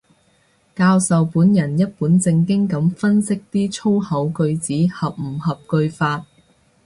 教授本人一本正經噉分析啲粗口句子合唔合句法